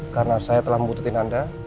karena saya telah membutuhkan anda